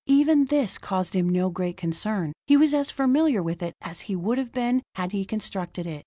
Even this caused him no great concern; he was as familiar with it as he would have been had he constructed it.